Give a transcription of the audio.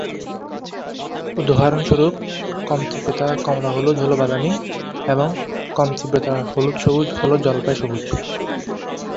উদাহরণস্বরূপ, কম-তীব্রতার কমলা-হলুদ হল বাদামী এবং কম-তীব্রতার হলুদ-সবুজ হল জলপাই সবুজ।